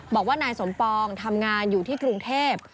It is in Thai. บอกว่านายสมปองทำงานอยู่ที่กรุงเทพ